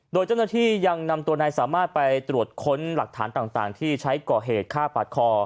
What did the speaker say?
โดยเจ้าหน้าที่ยังนำตัวนายสามารถไปตรวจค้นหลักฐานต่างที่ใช้ก่อเหตุฆ่าปาดคอ